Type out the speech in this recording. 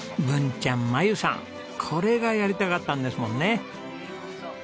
文ちゃんまゆさんこれがやりたかったんですもんね。